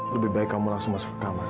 lebih baik kamu langsung masuk ke kamar